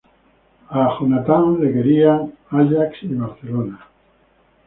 A Jonatan le querían Ajax y Barcelona.